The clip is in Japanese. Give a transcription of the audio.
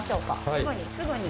すぐにすぐに。